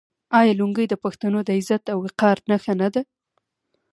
آیا لونګۍ د پښتنو د عزت او وقار نښه نه ده؟